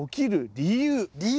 理由？